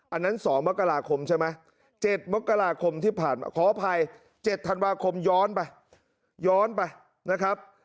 อันนั้น๒มกราคมใช่ไหม๗มกราคมที่ผ่านมาขออภัย๗ธันวาคมย้อนไปย้อนไปนะครับ